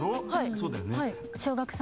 そうだよね。